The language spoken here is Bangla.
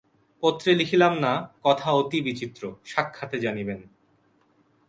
পত্রে লিখিলাম না, কথা অতি বিচিত্র, সাক্ষাতে জানিবেন।